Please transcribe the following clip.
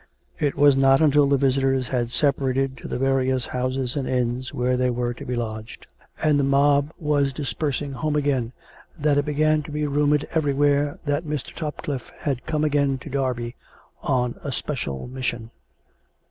It was not until the visitors had separated to the various houses and inns where they were to be lodged, and the mob was dispersing home again, that it began to be rumoured everywhere that Mr. Topcliffe was come again to Derby on a special mission.